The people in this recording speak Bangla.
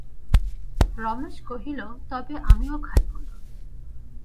রমেশ কহিল, তবে আমিও খাইব না।